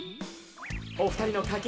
おふたりのかけあい